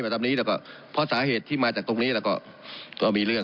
เพราะสาเหตุที่มาจากตรงนี้ก็มีเรื่อง